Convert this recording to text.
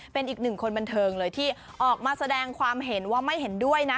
เป็นอีกหนึ่งคนบันเทิงเลยที่ออกมาแสดงความเห็นว่าไม่เห็นด้วยนะ